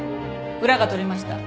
裏が取れました。